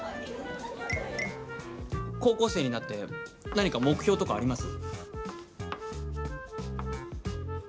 高校生になって何か目標とかあります？